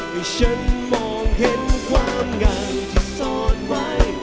ให้ฉันมองเห็นความงามที่ซ่อนไว้